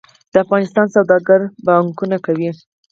د افغانستان سوداګر پانګونه کوي